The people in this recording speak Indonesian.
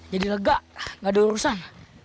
jadi lega ada urusan